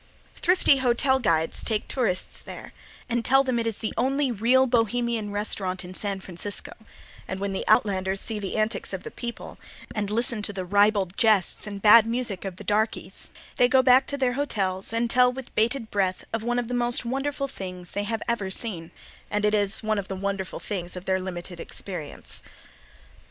Thrifty hotel guides take tourists there and tell them it is "the only real Bohemian restaurant in San Francisco," and when the outlanders see the antics of the people and listen to the ribald jests and bad music of the darkeys, they go back to their hotels and tell with bated breath of one of the most wonderful things they have ever seen, and it is one of the wonderful things of their limited experience.